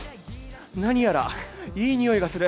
何やらいいにおいがする。